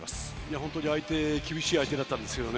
本当に厳しい相手だったんですけどね。